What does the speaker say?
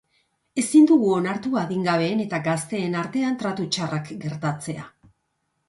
Ezin dugu onartu adingabeen eta gazteen artean tratu txarrak gertatzea.